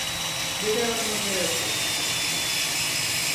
ডেকে আনো তোমার জেনেরালকে।